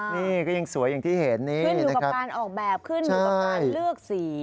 นี่ก็ยังสวยอย่างที่เห็นนี่ขึ้นอยู่กับการออกแบบขึ้นอยู่กับการเลือกสี